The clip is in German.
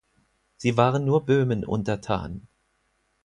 Sie waren nur Böhmen untertan.